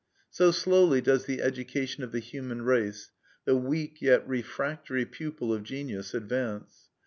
So slowly does the education of the human race, the weak yet refractory pupil of genius, advance.